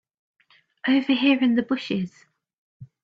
Over here in the bushes.